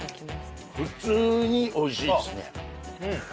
普通においしいですねあっ